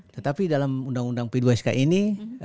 tetapi dalam undang undang p dua sk ini